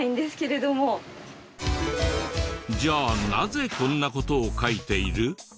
じゃあなぜこんな事を書いている？